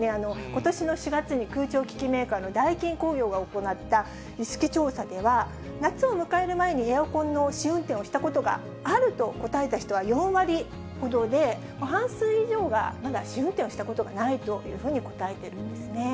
ことしの４月に空調機器メーカーのダイキン工業が行った、意識調査では、夏を迎える前にエアコンの試運転をしたことがあると答えた人は４割ほどで、半数以上がまだ試運転をしたことがないというふうに答えているんですね。